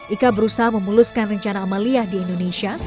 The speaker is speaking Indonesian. ika berusaha memuluskan rencana amalia di indonesia